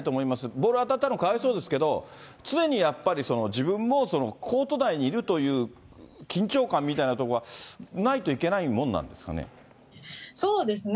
ボール当たったの、かわいそうですけれども、常にやっぱり、自分もコート内にいるという緊張感みたいなとこはないといけないそうですね。